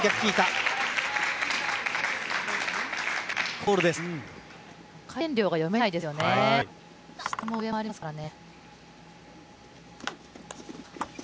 下も上もありますからね。